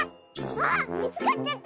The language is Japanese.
わみつかっちゃった！